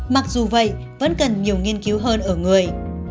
mặc dù vậy vẫn cần nhiều nghiên cứu hơn ở người